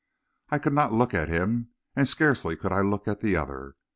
I could not look at him, and scarcely could I look at the other.